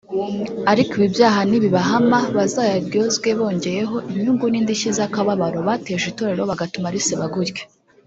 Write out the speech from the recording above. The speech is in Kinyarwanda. Ariko ibi byaha nibibahama bazayaryozwe bongeyeho inyungu n’indishyi z’akababaro bateje itorero bagatuma riseba gutya